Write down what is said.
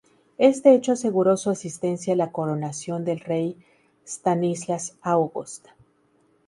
Este hecho aseguró su asistencia a la coronación del rey Stanislas August.